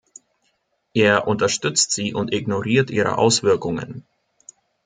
Er unterstützt sie und ignoriert ihre Auswirkungen.